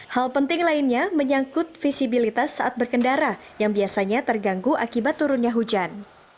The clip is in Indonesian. hal penting lainnya menyangkut visibilitas saat berkendara yang biasanya terganggu akibat turunnya hujan